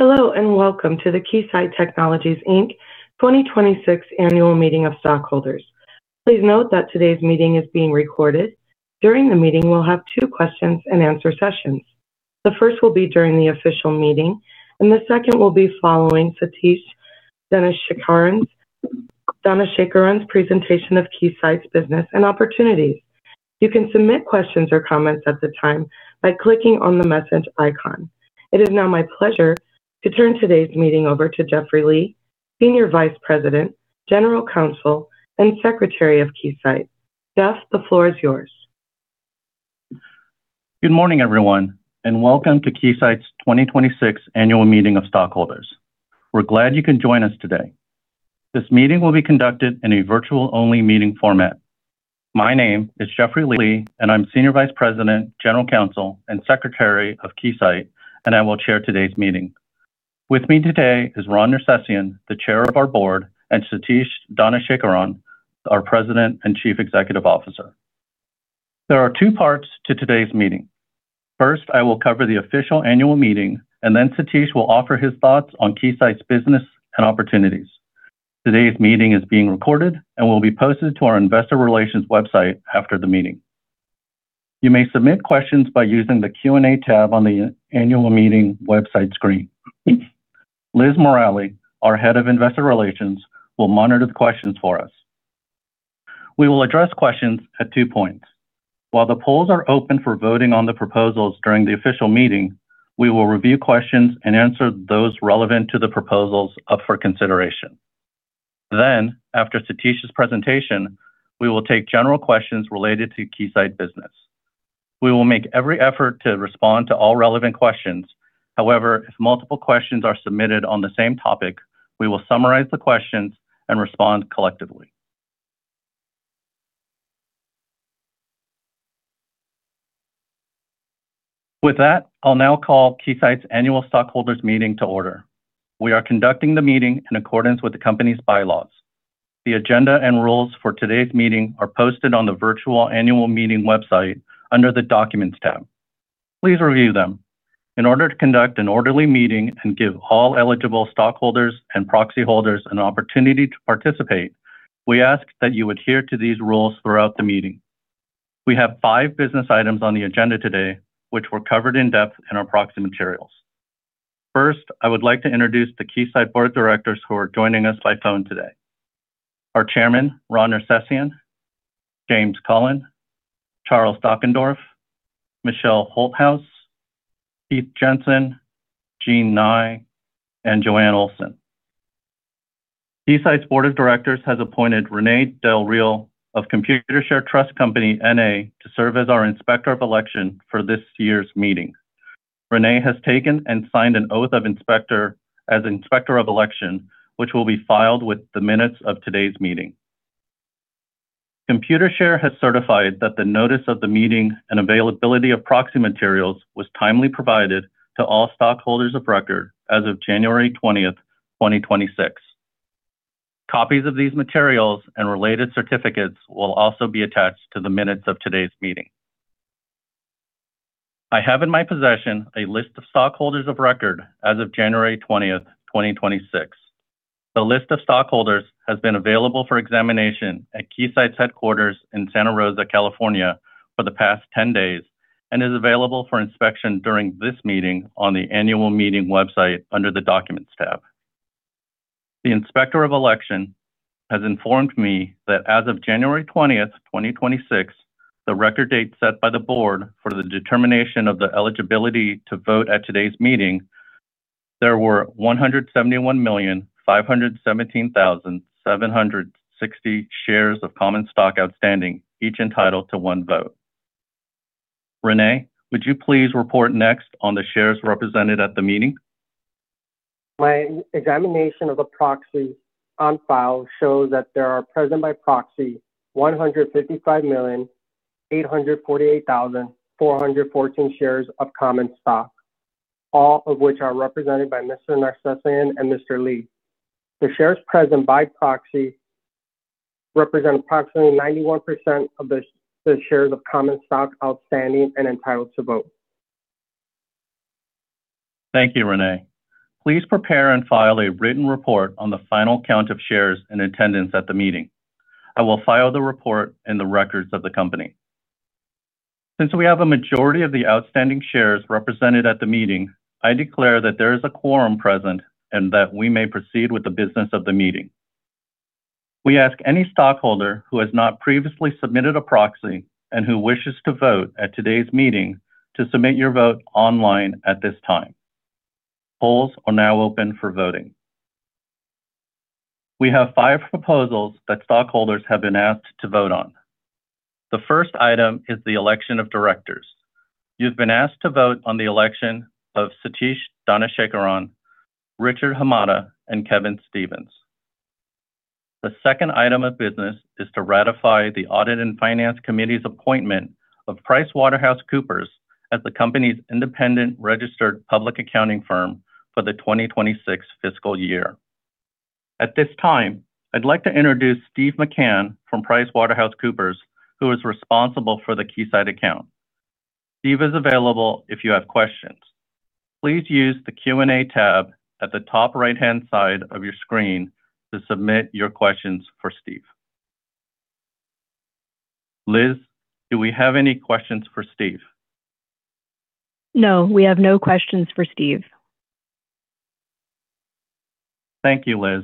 Hello, and welcome to the Keysight Technologies, Inc. 2026 annual meeting of stockholders. Please note that today's meeting is being recorded. During the meeting, we'll have two questions and answer sessions. The first will be during the official meeting, and the second will be following Satish Dhanasekaran's presentation of Keysight's business and opportunities. You can submit questions or comments at the time by clicking on the message icon. It is now my pleasure to turn today's meeting over to Jeffrey Li, Senior Vice President, General Counsel, and Secretary of Keysight. Jeff, the floor is yours. Good morning, everyone, and welcome to Keysight's 2026 annual meeting of stockholders. We're glad you can join us today. This meeting will be conducted in a virtual-only meeting format. My name is Jeffrey Li, and I'm Senior Vice President, General Counsel, and Secretary of Keysight, and I will chair today's meeting. With me today is Ron Nersesian, the Chair of our board, and Satish Dhanasekaran, our President and Chief Executive Officer. There are two parts to today's meeting. First, I will cover the official annual meeting, and then Satish will offer his thoughts on Keysight's business and opportunities. Today's meeting is being recorded and will be posted to our investor relations website after the meeting. You may submit questions by using the Q&A tab on the annual meeting website screen. Liz Morali, our head of investor relations, will monitor the questions for us. We will address questions at two points. While the polls are open for voting on the proposals during the official meeting, we will review questions and answer those relevant to the proposals up for consideration. Then, after Satish's presentation, we will take general questions related to Keysight business. We will make every effort to respond to all relevant questions. However, if multiple questions are submitted on the same topic, we will summarize the questions and respond collectively. With that, I'll now call Keysight's annual stockholders meeting to order. We are conducting the meeting in accordance with the company's bylaws. The agenda and rules for today's meeting are posted on the virtual annual meeting website under the Documents tab. Please review them. In order to conduct an orderly meeting and give all eligible stockholders and proxy holders an opportunity to participate, we ask that you adhere to these rules throughout the meeting. We have five business items on the agenda today, which were covered in depth in our proxy materials. First, I would like to introduce the Keysight board directors who are joining us by phone today. Our Chairman, Ron Nersesian, James Cullen, Charles Dockendorff, Michelle J. Holthaus, Keith Jensen, Jean M. Nye, and Joanne B. Olsen. Keysight's board of directors has appointed Rene Del Real of Computershare Trust Company, N.A. to serve as our inspector of election for this year's meeting. Rene has taken and signed an oath as inspector of election, which will be filed with the minutes of today's meeting. Computershare has certified that the notice of the meeting and availability of proxy materials was timely provided to all stockholders of record as of January 20, 2026. Copies of these materials and related certificates will also be attached to the minutes of today's meeting. I have in my possession a list of stockholders of record as of January 20, 2026. The list of stockholders has been available for examination at Keysight's headquarters in Santa Rosa, California, for the past 10 days and is available for inspection during this meeting on the annual meeting website under the Documents tab. The inspector of election has informed me that as of January 20, 2026, the record date set by the board for the determination of the eligibility to vote at today's meeting, there were 171,517,760 shares of common stock outstanding, each entitled to one vote. Rene, would you please report next on the shares represented at the meeting? My examination of the proxies on file shows that there are present by proxy 155,848,414 shares of common stock, all of which are represented by Mr. Nersesian and Mr. Li. The shares present by proxy represent approximately 91% of the shares of common stock outstanding and entitled to vote. Thank you, Rene. Please prepare and file a written report on the final count of shares in attendance at the meeting. I will file the report in the records of the company. Since we have a majority of the outstanding shares represented at the meeting, I declare that there is a quorum present and that we may proceed with the business of the meeting. We ask any stockholder who has not previously submitted a proxy and who wishes to vote at today's meeting to submit your vote online at this time. Polls are now open for voting. We have five proposals that stockholders have been asked to vote on. The first item is the election of directors. You've been asked to vote on the election of Satish Dhanasekaran, Richard Hamada, and Kevin Stephens. The second item of business is to ratify the Audit and Finance Committee's appointment of PricewaterhouseCoopers as the company's independent registered public accounting firm for the 2026 fiscal year. At this time, I'd like to introduce Steve McCann from PricewaterhouseCoopers, who is responsible for the Keysight account. Steve is available if you have questions. Please use the Q&A tab at the top right-hand side of your screen to submit your questions for Steve. Liz, do we have any questions for Steve? No, we have no questions for Steve. Thank you, Liz.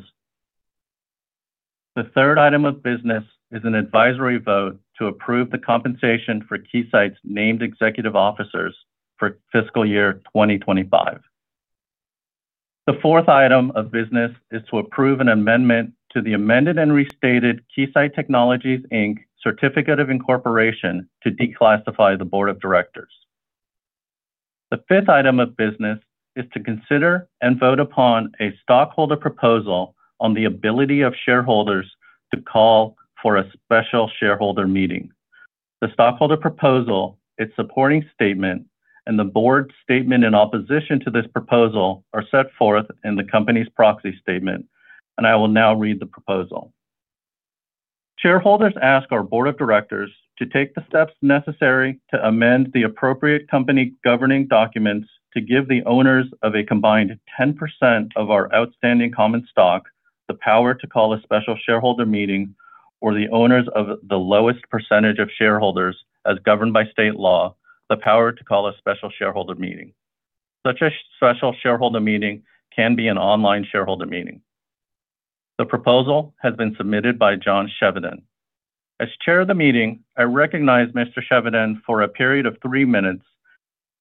The third item of business is an advisory vote to approve the compensation for Keysight's named executive officers for fiscal year 2025. The fourth item of business is to approve an amendment to the amended and restated Keysight Technologies, Inc. Certificate of Incorporation to declassify the board of directors. The fifth item of business is to consider and vote upon a stockholder proposal on the ability of shareholders to call for a special shareholder meeting. The stockholder proposal, its supporting statement, and the board's statement in opposition to this proposal are set forth in the company's proxy statement, and I will now read the proposal. Shareholders ask our board of directors to take the steps necessary to amend the appropriate company governing documents to give the owners of a combined 10% of our outstanding common stock the power to call a special shareholder meeting or the owners of the lowest percentage of shareholders, as governed by state law, the power to call a special shareholder meeting. Such a special shareholder meeting can be an online shareholder meeting." The proposal has been submitted by John Chevedden. As chair of the meeting, I recognize Mr. Chevedden for a period of 3 minutes,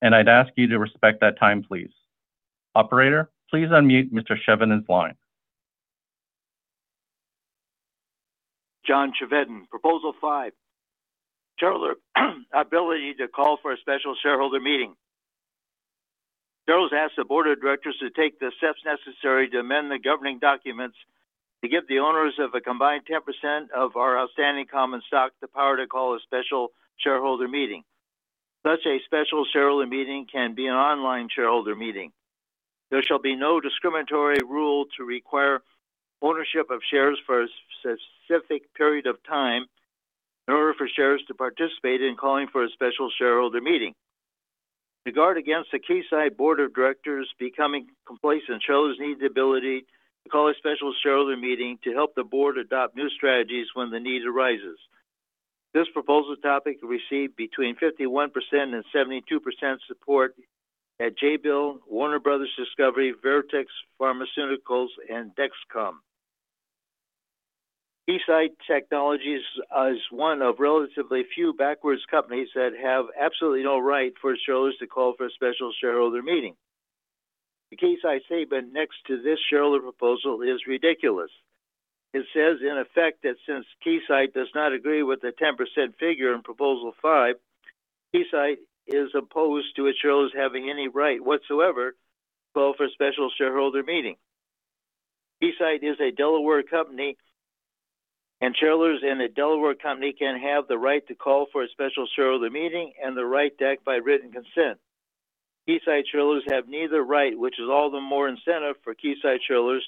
and I'd ask you to respect that time, please. Operator, please unmute Mr. Chevedden's line. John Chevedden, proposal 5. Shareholders' ability to call for a special shareholder meeting. Shareholders ask the board of directors to take the steps necessary to amend the governing documents to give the owners of a combined 10% of our outstanding common stock the power to call a special shareholder meeting. Such a special shareholder meeting can be an online shareholder meeting. There shall be no discriminatory rule to require ownership of shares for a specific period of time in order for shareholders to participate in calling for a special shareholder meeting. To guard against the Keysight board of directors becoming complacent, shareholders need the ability to call a special shareholder meeting to help the board adopt new strategies when the need arises. This proposal topic received between 51% and 72% support at Jabil, Warner Bros. Discovery, Vertex Pharmaceuticals, and Dexcom. Keysight Technologies is one of relatively few backwards companies that have absolutely no right for shareholders to call for a special shareholder meeting. The Keysight statement next to this shareholder proposal is ridiculous. It says, in effect, that since Keysight does not agree with the 10% figure in proposal five, Keysight is opposed to its shareholders having any right whatsoever to call for a special shareholder meeting. Keysight is a Delaware company, and shareholders in a Delaware company can have the right to call for a special shareholder meeting and the right to act by written consent. Keysight shareholders have neither right, which is all the more incentive for Keysight shareholders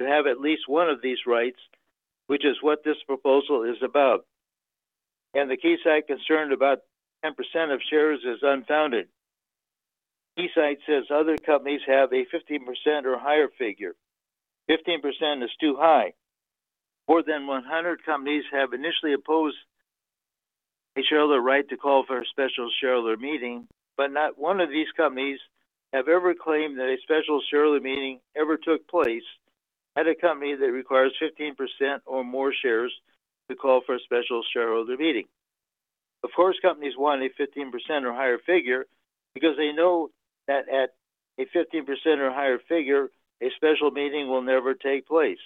to have at least one of these rights, which is what this proposal is about. Keysight concern about 10% of shares is unfounded. Keysight says other companies have a 15% or higher figure. 15% is too high. More than 100 companies have initially opposed a shareholder right to call for a special shareholder meeting, not one of these companies have ever claimed that a special shareholder meeting ever took place at a company that requires 15% or more shares to call for a special shareholder meeting. Of course, companies want a 15% or higher figure because they know that at a 15% or higher figure, a special meeting will never take place.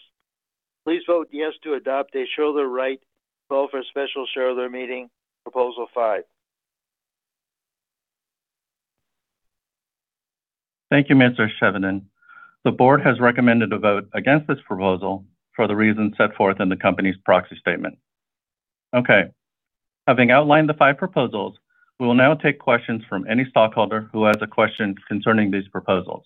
Please vote yes to adopt a shareholder right to call for a special shareholder meeting, proposal five. Thank you, Mr. Chevedden. The board has recommended a vote against this proposal for the reasons set forth in the company's proxy statement. Okay, having outlined the five proposals, we will now take questions from any stockholder who has a question concerning these proposals.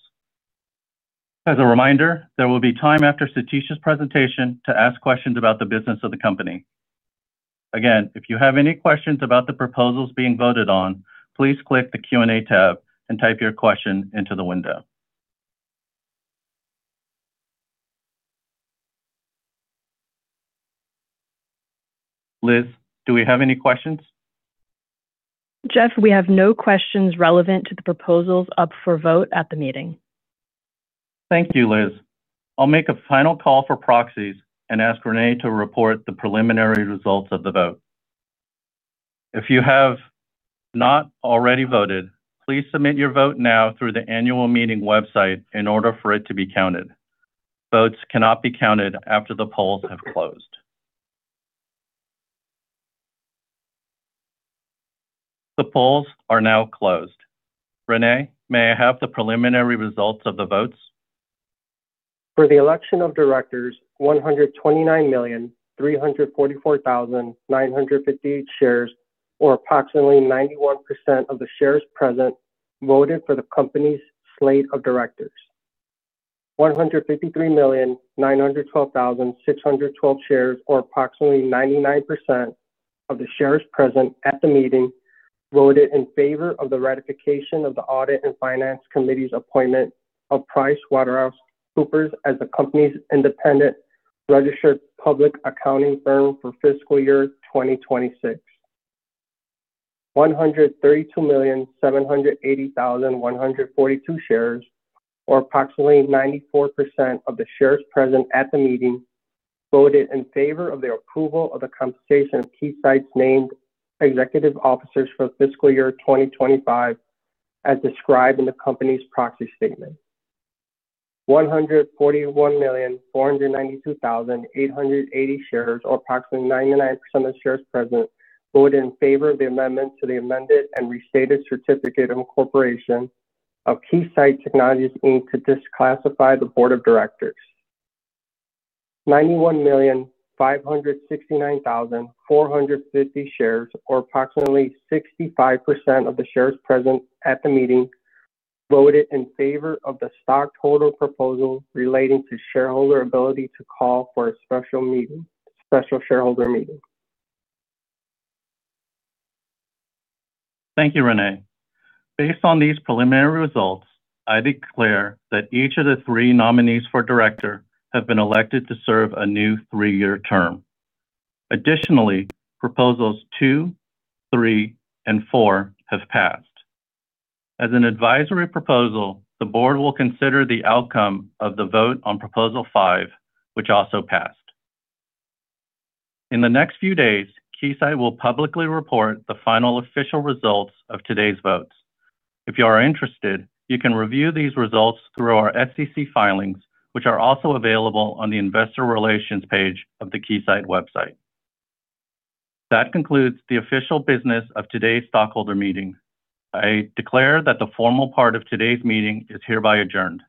As a reminder, there will be time after Satish's presentation to ask questions about the business of the company. Again, if you have any questions about the proposals being voted on, please click the Q&A tab and type your question into the window. Liz, do we have any questions? Jeffrey, we have no questions relevant to the proposals up for vote at the meeting. Thank you, Liz. I'll make a final call for proxies and ask Rene to report the preliminary results of the vote. If you have not already voted, please submit your vote now through the annual meeting website in order for it to be counted. Votes cannot be counted after the polls have closed. The polls are now closed. Rene, may I have the preliminary results of the votes? For the election of directors, 129,344,958 shares, or approximately 91% of the shares present voted for the company's slate of directors. 153,912,612 shares or approximately 99% of the shares present at the meeting voted in favor of the ratification of the Audit and Finance Committee's appointment of PricewaterhouseCoopers as the company's independent registered public accounting firm for fiscal year 2026. 132,780,142 shares or approximately 94% of the shares present at the meeting voted in favor of the approval of the compensation of Keysight's named executive officers for the fiscal year 2025 as described in the company's proxy statement. 141,492,880 shares, or approximately 99% of the shares present, voted in favor of the amendment to the amended and restated certificate of incorporation of Keysight Technologies, Inc. to declassify the board of directors. 91,569,450 shares, or approximately 65% of the shares present at the meeting, voted in favor of the stockholder proposal relating to shareholder ability to call for a special shareholder meeting. Thank you, Rene. Based on these preliminary results, I declare that each of the three nominees for director have been elected to serve a new three-year term. Additionally, proposals two, three, and four have passed. As an advisory proposal, the board will consider the outcome of the vote on proposal five, which also passed. In the next few days, Keysight will publicly report the final official results of today's votes. If you are interested, you can review these results through our SEC filings, which are also available on the investor relations page of the Keysight website. That concludes the official business of today's stockholder meeting. I declare that the formal part of today's meeting is hereby adjourned.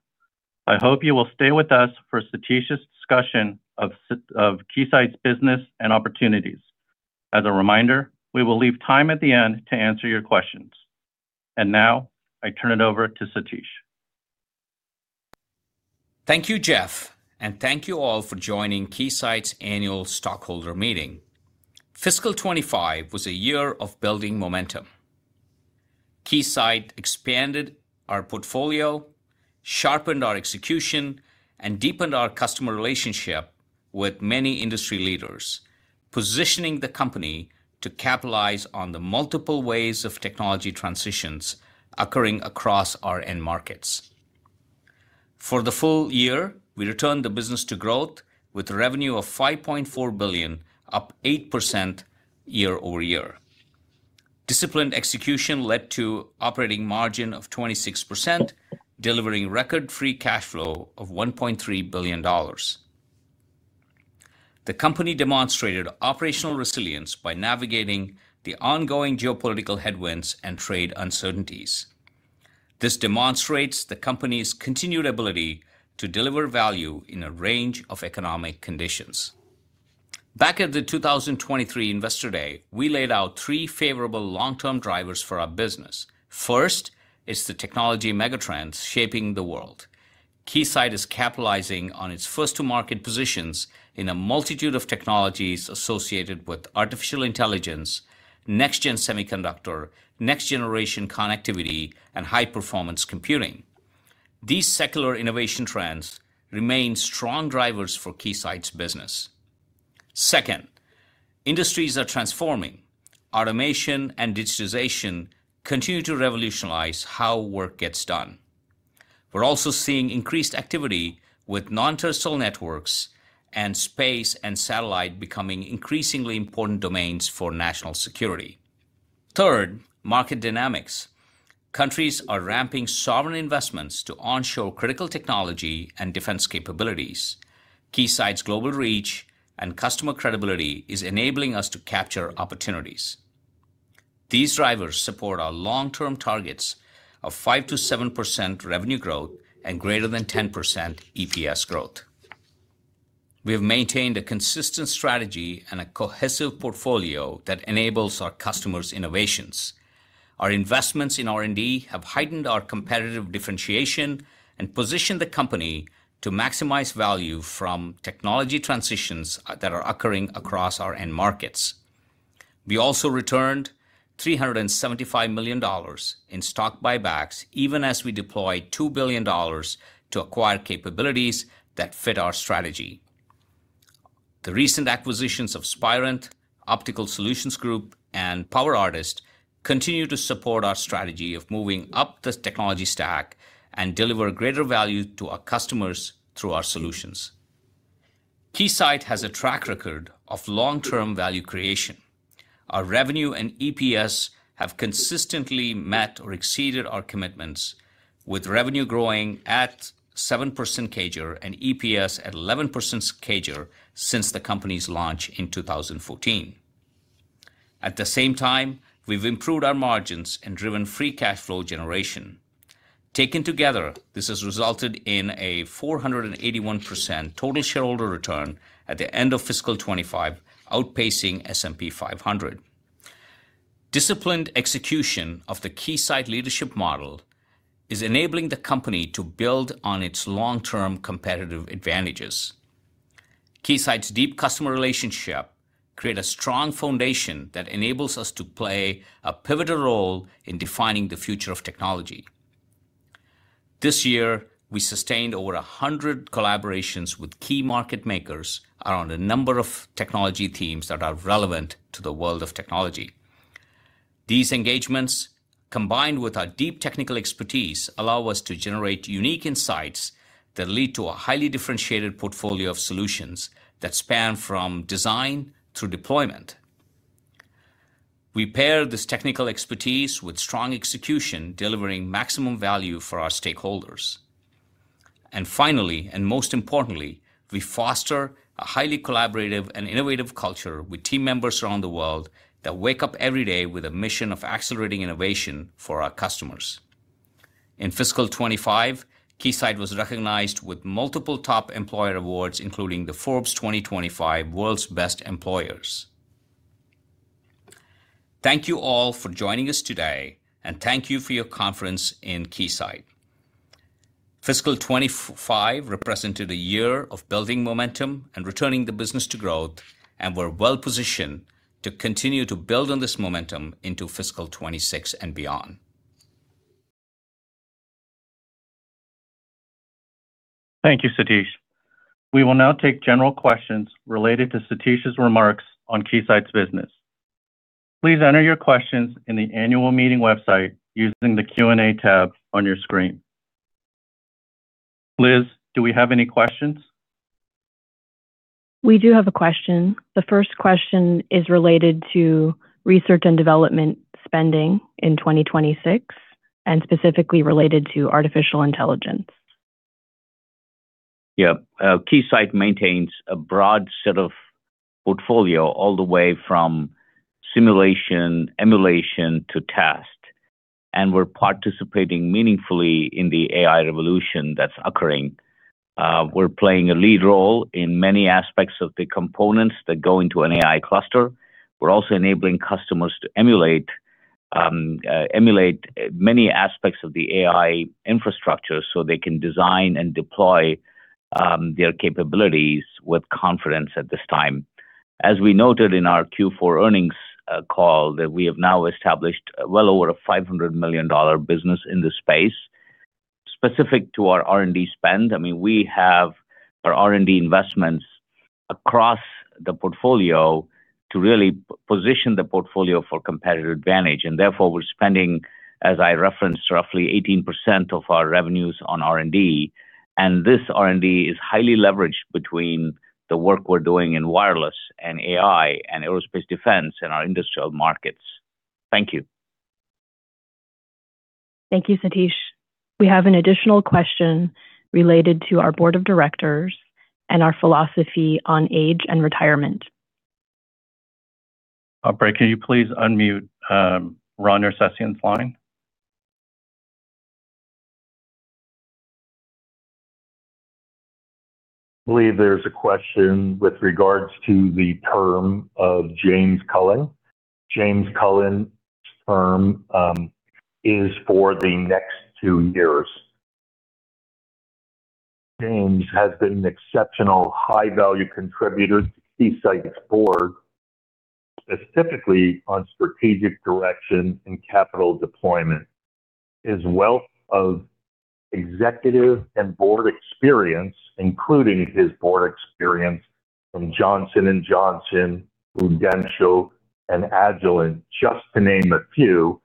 I hope you will stay with us for Satish's discussion of Keysight's business and opportunities. As a reminder, we will leave time at the end to answer your questions. Now I turn it over to Satish. Thank you, Jeff, and thank you all for joining Keysight's annual stockholder meeting. Fiscal 2025 was a year of building momentum. Keysight expanded our portfolio, sharpened our execution, and deepened our customer relationship with many industry leaders, positioning the company to capitalize on the multiple ways of technology transitions occurring across our end markets. For the full year, we returned the business to growth with revenue of $5.4 billion, up 8% year-over-year. Disciplined execution led to operating margin of 26%, delivering record free cash flow of $1.3 billion. The company demonstrated operational resilience by navigating the ongoing geopolitical headwinds and trade uncertainties. This demonstrates the company's continued ability to deliver value in a range of economic conditions. Back at the 2023 Investor Day, we laid out three favorable long-term drivers for our business. First is the technology megatrends shaping the world. Keysight is capitalizing on its first to market positions in a multitude of technologies associated with artificial intelligence, next gen semiconductor, next generation connectivity, and high performance computing. These secular innovation trends remain strong drivers for Keysight's business. Second, industries are transforming. Automation and digitization continue to revolutionize how work gets done. We're also seeing increased activity with non-terrestrial networks and space and satellite becoming increasingly important domains for national security. Third, market dynamics. Countries are ramping sovereign investments to onshore critical technology and defense capabilities. Keysight's global reach and customer credibility is enabling us to capture opportunities. These drivers support our long-term targets of 5%-7% revenue growth and greater than 10% EPS growth. We have maintained a consistent strategy and a cohesive portfolio that enables our customers' innovations. Our investments in R&D have heightened our competitive differentiation and positioned the company to maximize value from technology transitions that are occurring across our end markets. We also returned $375 million in stock buybacks even as we deployed $2 billion to acquire capabilities that fit our strategy. The recent acquisitions of Spirent Communications, Synopsys Optical Solutions Group, and PowerArtist continue to support our strategy of moving up the technology stack and deliver greater value to our customers through our solutions. Keysight has a track record of long-term value creation. Our revenue and EPS have consistently met or exceeded our commitments, with revenue growing at 7% CAGR and EPS at 11% CAGR since the company's launch in 2014. At the same time, we've improved our margins and driven free cash flow generation. Taken together, this has resulted in a 481% total shareholder return at the end of fiscal 2025, outpacing S&P 500. Disciplined execution of the Keysight leadership model is enabling the company to build on its long-term competitive advantages. Keysight's deep customer relationship create a strong foundation that enables us to play a pivotal role in defining the future of technology. This year, we sustained over 100 collaborations with key market makers around a number of technology themes that are relevant to the world of technology. These engagements, combined with our deep technical expertise, allow us to generate unique insights that lead to a highly differentiated portfolio of solutions that span from design through deployment. We pair this technical expertise with strong execution, delivering maximum value for our stakeholders. Finally, and most importantly, we foster a highly collaborative and innovative culture with team members around the world that wake up every day with a mission of accelerating innovation for our customers. In fiscal 25, Keysight was recognized with multiple top employer awards, including the Forbes 2025 World's Best Employers. Thank you all for joining us today, and thank you for your confidence in Keysight. Fiscal 25 represented a year of building momentum and returning the business to growth, and we're well-positioned to continue to build on this momentum into fiscal 26 and beyond. Thank you, Satish. We will now take general questions related to Satish's remarks on Keysight's business. Please enter your questions in the annual meeting website using the Q&A tab on your screen. Liz, do we have any questions? We do have a question. The first question is related to research and development spending in 2026, and specifically related to artificial intelligence. Yeah. Keysight maintains a broad set of portfolio all the way from simulation, emulation to test, and we're participating meaningfully in the AI revolution that's occurring. We're playing a lead role in many aspects of the components that go into an AI cluster. We're also enabling customers to emulate many aspects of the AI infrastructure so they can design and deploy their capabilities with confidence at this time. As we noted in our Q4 earnings call that we have now established well over a $500 million business in this space. Specific to our R&D spend, I mean, we have our R&D investments across the portfolio to really position the portfolio for competitive advantage. Therefore, we're spending, as I referenced, roughly 18% of our revenues on R&D, and this R&D is highly leveraged between the work we're doing in wireless and AI and aerospace defense in our industrial markets. Thank you. Thank you, Satish. We have an additional question related to our board of directors and our philosophy on age and retirement. Operator, can you please unmute Ron Nersesian's line? I believe there's a question with regards to the term of James Cullen. James Cullen's term is for the next two years. James has been an exceptional high-value contributor to Keysight's board, specifically on strategic direction and capital deployment. His wealth of executive and board experience, including his board experience from Johnson & Johnson, Prudential, and Agilent, just to name a few,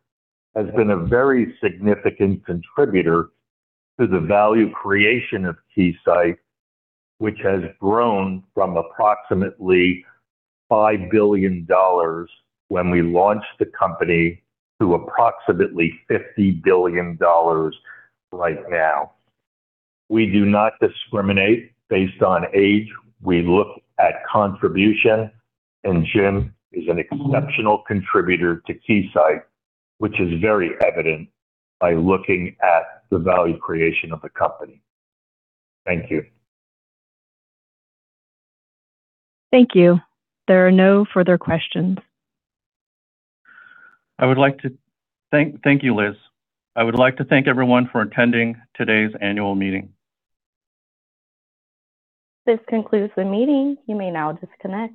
has been a very significant contributor to the value creation of Keysight, which has grown from approximately $5 billion when we launched the company to approximately $50 billion right now. We do not discriminate based on age. We look at contribution, and Jim is an exceptional contributor to Keysight, which is very evident by looking at the value creation of the company. Thank you. Thank you. There are no further questions. Thank you, Liz. I would like to thank everyone for attending today's annual meeting. This concludes the meeting. You may now disconnect.